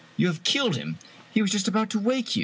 " You have killed him ! He was just about to wake you."